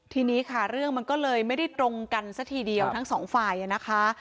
ทีนี้ค่ะเรื่องมันก็เลยไม่ได้ตรงกันซะทีเดียวทั้งสองฝ่ายนะคะ